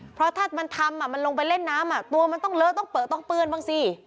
เพราะถ้ามันทำมันลงไปเล่นน้ำตัวมันต้องเลอะต้องเปลือต้องเปื้อนบ้างสิ